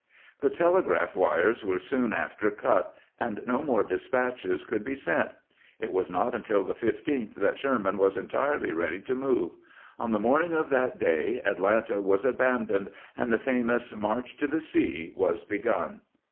The telegraph wires were soon after cut, and no more despatches could be sent. It was not until the 15th that Sherman was entirely ready to move. On the morning of that day Atlanta was abandoned, and the famous march to the sea was begun.